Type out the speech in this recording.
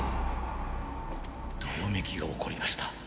どよめきが起こりました。